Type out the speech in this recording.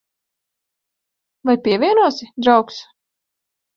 Vai pievienosi, draugs?